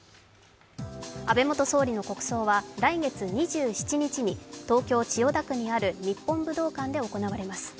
安倍元総理の国葬は来月２７日に東京・千代田区にある日本武道館で行われます。